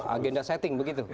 agenda setting begitu